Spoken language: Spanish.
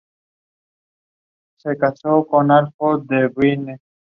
En la cultura grecorromana aparecen desde la "Ilíada" y la "Odisea".